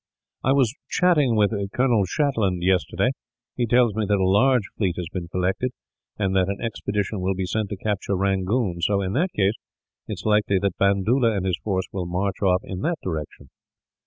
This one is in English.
"I was chatting with Colonel Shatland yesterday. He tells me that a large fleet has been collected, and that an expedition will be sent to capture Rangoon so, in that case, it is likely that Bandoola and his force will march off in that direction.